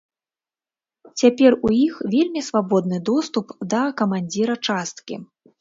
Цяпер у іх вельмі свабодны доступ да камандзіра часткі.